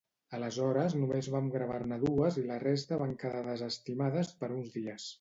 Aleshores només vam gravar-ne dues i la resta van quedar desestimades per uns dies.